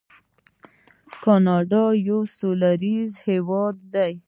کاناډا یو سوله ییز هیواد دی.